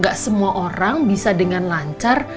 gak semua orang bisa dengan lancar